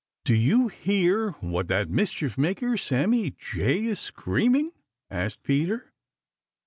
"Do you hear what that mischief maker, Sammy Jay, is screaming?" asked Peter.